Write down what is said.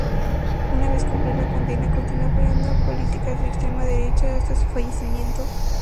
Una vez cumplió la condena, continuó apoyando políticas de extrema derecha hasta su fallecimiento.